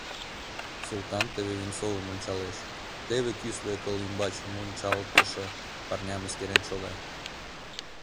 Султан теве Венцовым ончалеш, теве кӱсле кыл ӱмбач мунчалтылше парням эскерен шога.